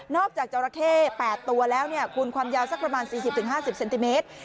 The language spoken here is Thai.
จากจราเข้๘ตัวแล้วคุณความยาวสักประมาณ๔๐๕๐เซนติเมตร